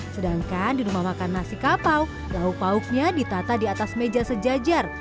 sedangkan di rumah makan nasi kapau lauk pauknya ditata di atas meja sejajar